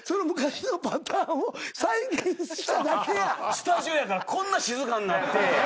スタジオやからこんな静かになって。